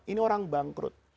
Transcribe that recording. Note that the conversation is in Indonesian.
ini orang bangkrut